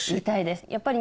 やっぱり。